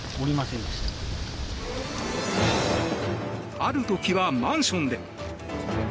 ある時は、マンションで。